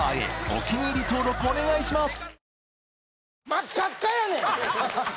お気に入り登録お願いします！